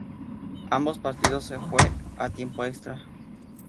Ambos partidos se fue a tiempo extra.